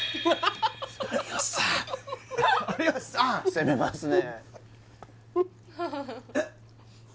攻めますね